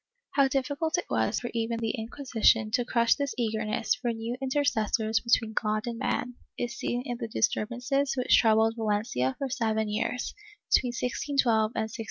How difficult it was for even the Inquisition to crush this eager ness for new intercessors between God and man, is seen in the disturbances which troubled Valencia for seven years, between 1612 and 1619.